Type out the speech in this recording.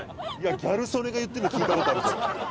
ギャル曽根が言ってるの聞いた事あるぞ。